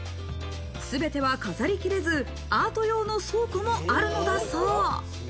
全ては飾りきれず、アート用の倉庫もあるのだそう。